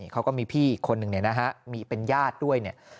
เขาก็มีพี่อีกคนนึงเนี่ยนะฮะมีเป็นญาติด้วยเนี่ย